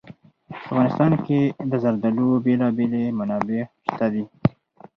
په افغانستان کې د زردالو بېلابېلې منابع شته دي.